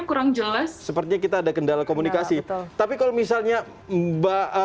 kurang jelas sepertinya kita ada kendala komunikasi tapi kalau misalnya mbak